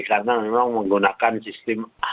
karena memang menggunakan sistem